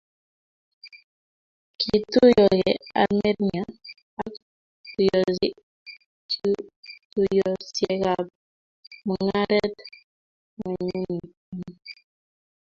ki ituyogei Armenia ak tuyosiekab mung'aret Ng'wenyuni eng